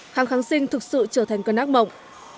kháng kháng sinh thực sự trở thành cơn ác mộng